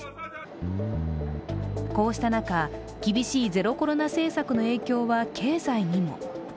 こうした中、厳しいゼロコロナ政策の影響は経済にも。